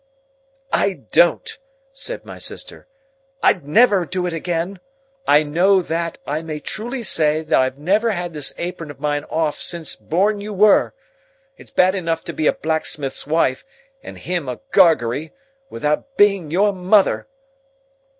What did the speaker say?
"I don't!" said my sister. "I'd never do it again! I know that. I may truly say I've never had this apron of mine off since born you were. It's bad enough to be a blacksmith's wife (and him a Gargery) without being your mother."